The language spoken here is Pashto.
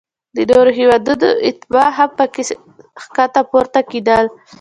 د نورو هیوادونو اتباع هم پکې ښکته پورته کیدل.